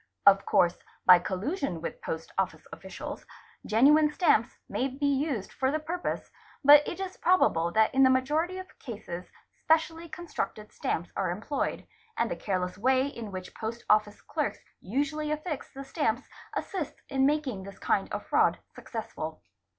Of course, by collusion with post office officials, genuine stamps may be used for the purpose, but it is probable that in the majority of cases specially constructed stamps are employed, and the careless way in which Post Office Clerks usually affix the stamps assists in making this kind of fraud success ful.